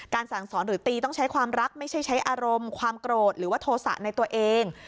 สั่งสอนหรือตีต้องใช้ความรักไม่ใช่ใช้อารมณ์ความโกรธหรือว่าโทษะในตัวเอง